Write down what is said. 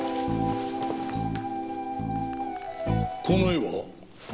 この絵は？